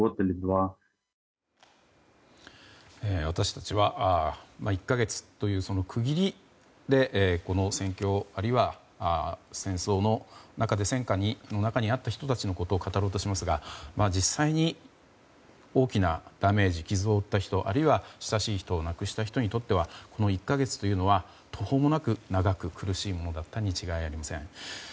私たちは１か月という区切りでこの戦況あるいは戦争の中で戦火の中にあった人たちのことを語ろうとしますが実際に大きなダメージ傷を負った人あるいは親しい人を亡くした人にとってはこの１か月というのは途方もなく長く苦しいものだったに違いありません。